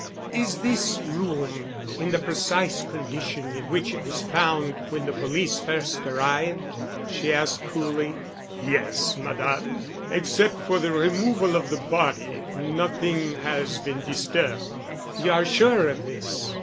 "Is this room in the precise condition in which it was found when the police first arrived?" she asked coolly. "Yes, Madame, except for the removal of the body, nothing has been disturbed." "You are sure of this?"